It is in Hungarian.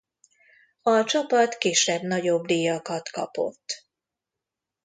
A csapat kisebb-nagyobb díjakat kapott.